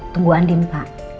tunggu andim pak